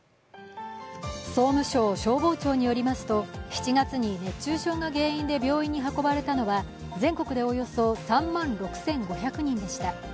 総務省消防庁によりますと、７月に熱中症が原因で病院に運ばれたのは全国でおよそ３万６５００人でした。